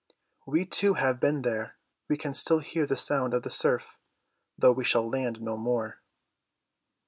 We too have been there; we can still hear the sound of the surf, though we shall land no more.